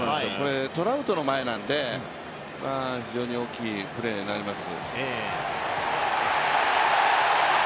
トラウトの前なんで非常に大きいプレーになります。